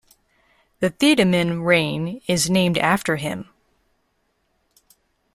The Thiedemann rein is named after him.